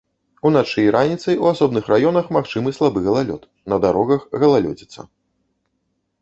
Уначы і раніцай у асобных раёнах магчымы слабы галалёд, на дарогах галалёдзіца.